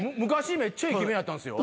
めっちゃイケメンやったんすよ。